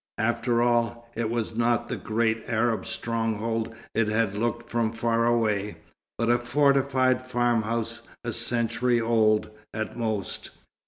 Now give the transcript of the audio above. After all, it was not the great Arab stronghold it had looked from far away, but a fortified farmhouse a century old, at most.